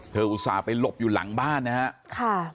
เธออุตส่าไปหลบอยู่หลังบ้านนะฮะ